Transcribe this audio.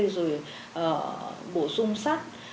rồi bổ sung sắt